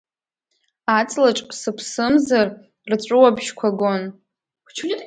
Аҵлаҿ, сыԥсымзар, рҵәыуабжьқәа гон.